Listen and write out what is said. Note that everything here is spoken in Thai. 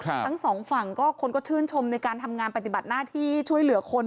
ทั้งสองฝั่งก็คนก็ชื่นชมในการทำงานปฏิบัติหน้าที่ช่วยเหลือคน